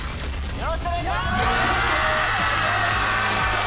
よろしくお願いします。